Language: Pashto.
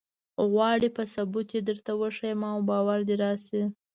غواړې په ثبوت یې درته وښیم او باور دې راشي.